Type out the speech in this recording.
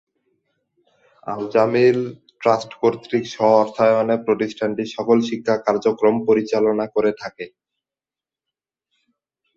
Al-Jamil trust কর্তৃক স্ব-অর্থায়নে প্রতিষ্ঠানটি সকল শিক্ষা কার্যক্রম পরিচালনা করে থাকে।